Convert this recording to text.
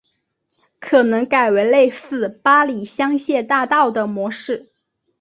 可能改为类似巴黎香榭大道的模式